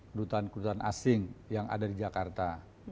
kedutaan kedutaan asing yang ada di jakarta